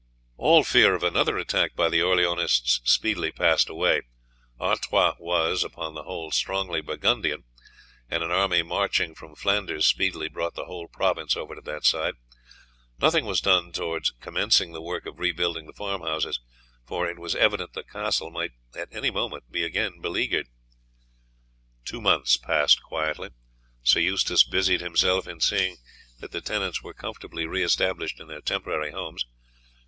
All fear of another attack by the Orleanists speedily passed away. Artois was, upon the whole, strongly Burgundian, and an army marching from Flanders speedily brought the whole province over to that side. Nothing was done towards commencing the work of rebuilding the farmhouses, for it was evident that the castle might at any moment be again beleaguered. Two months passed quietly. Sir Eustace busied himself in seeing that the tenants were comfortably re established in their temporary homes.